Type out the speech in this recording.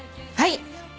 はい。